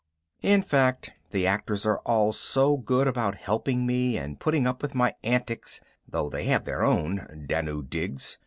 In fact, the actors are all so good about helping me and putting up with my antics (though they have their own, Danu digs!)